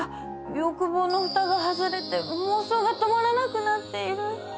欲望の蓋が外れて妄想が止まらなくなっている。